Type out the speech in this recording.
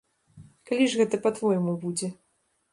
Калі ж гэта па-твойму будзе?